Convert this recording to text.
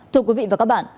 thưa quý vị và các bạn